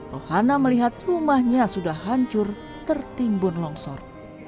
rohana melihat rumahnya sudah hancur tertimbun longsor